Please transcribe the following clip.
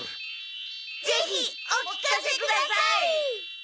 ぜひお聞かせください！